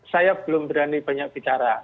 saya belum berani banyak bicara